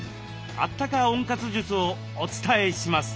あったか温活術をお伝えします。